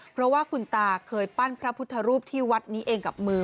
เพราะว่าคุณตาเคยปั้นพระพุทธรูปที่วัดนี้เองกับมือ